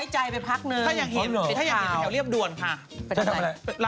ใช่ทำไมละ